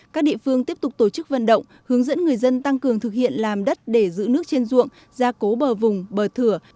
các địa phương tiếp tục tổ chức vận động hướng dẫn người dân tăng cường thực hiện làm đất để giữ nước trên ruộng gia cố bờ vùng bờ thửa